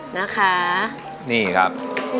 นะคะนี่ครับ